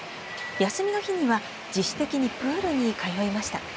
休みの日には自主的にプールに通いました。